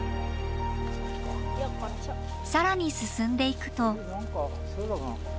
更に進んでいくと。